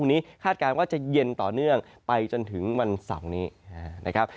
วันนี้คาดการณ์ว่าจะเย็นต่อเนื่องไปจนถึงวันเสาร์นี้นะครับ